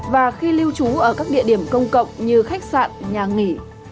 và khi lưu trú ở các địa điểm công cộng như khách sạn nhà nghỉ